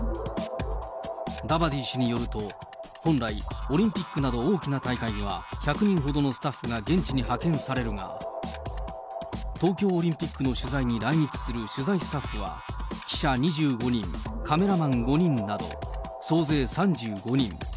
ダバディ氏によると、本来、オリンピックなど大きな大会は１００人ほどのスタッフが現地に派遣されるが、東京オリンピックの取材に来日する取材スタッフは、記者２５人、カメラマン５人など、総勢３５人。